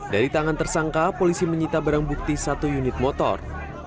dari tangan tersangka polisi menyita barang bukti satu unit motor